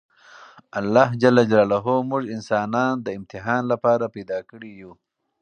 الله ج موږ انسانان د امتحان لپاره پیدا کړي یوو!